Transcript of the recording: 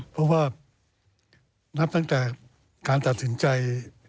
เพราะว่านับตั้งแต่การตัดสินใจ